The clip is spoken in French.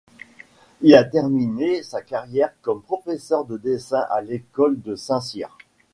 Il a terminé sa carrière comme professeur de dessin à l'école de Saint-Cyr.